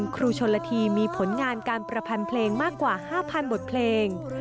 ครูชนละทีมีผลงานการประพันธ์เพลงมากกว่า๕๐๐บทเพลง